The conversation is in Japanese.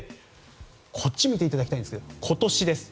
こっちを見ていただきたいんですが今年です。